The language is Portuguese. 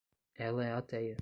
Ela é ateia